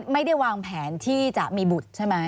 ไม่ได้วางแผนที่จะมีบุตรใช่ไหม